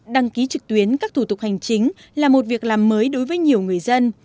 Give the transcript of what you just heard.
đăng ký trực tuyến các thủ tục hành chính là một việc làm mới đối với nhiều người dân